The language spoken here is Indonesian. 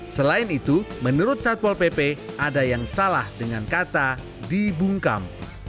selain itu menurut satpol pp ada yang salah dengan kata dibungkam